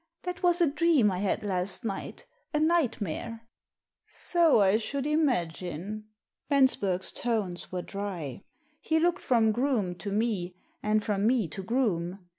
That was a dream I had last night — a nightmare." " So I should imagine." Bensberg's tones were dry. He looked from Groome to me — and from me to Groome.